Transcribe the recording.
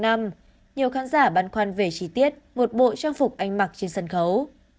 nhiều khán giả băn khoăn về chi tiết một bộ trang phục anh mặc trên sân khấu